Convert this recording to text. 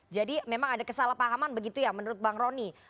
jadi memang ada kesalahpahaman begitu ya menurut bang rony